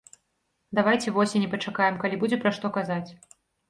Давайце восені пачакаем, калі будзе пра што казаць.